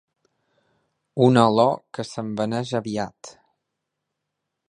Una olor que s'esvaneix aviat.